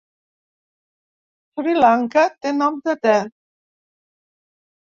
Sri Lanka té nom de te.